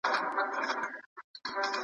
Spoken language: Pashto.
وضعيت بدل کړي.